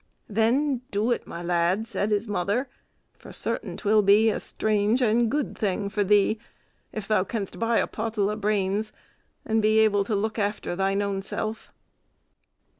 "Then do it, my lad," said his mother, "for certain 't will be a strange and good thing fur thee, if thou canst buy a pottle o' brains, and be able to look after thy own self."